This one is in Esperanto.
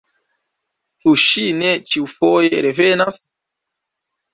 Ĉu ŝi ne ĉiufoje revenas?